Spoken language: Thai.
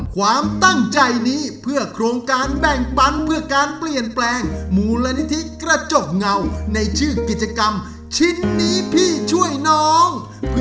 ความตั้งใจนี้เพื่อโครงการแบ่งปันเพื่อการเปลี่ยนแปลงมูลนิธิกระจกเงาในชื่อกิจกรรมชิ้นนี้พี่ช่วยน้อง